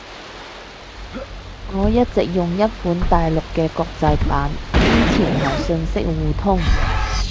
我一直用一款大陸嘅國際版。之前係信息互通